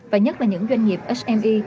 và nhất là những doanh nghiệp hme